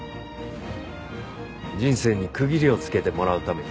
人生に区切りをつけてもらうために。